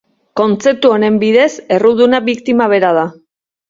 Kontzeptu honen bidez erruduna biktima bera da.